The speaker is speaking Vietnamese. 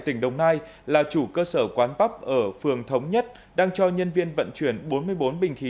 tỉnh đồng nai là chủ cơ sở quán bắp ở phường thống nhất đang cho nhân viên vận chuyển bốn mươi bốn bình khí